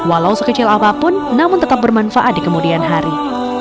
walau sekecil apapun namun tetap bermanfaat di kemudian hari